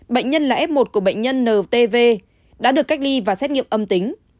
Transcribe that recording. bệnh nhân là f một của bệnh nhân ntv đã được cách ly và xét nghiệm âm tính